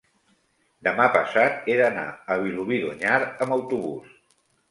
demà passat he d'anar a Vilobí d'Onyar amb autobús.